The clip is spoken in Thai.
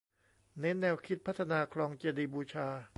เน้นแนวคิดพัฒนาคลองเจดีย์บูชา